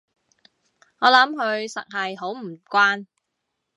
我諗佢實係好唔慣